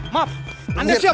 maaf anda siapa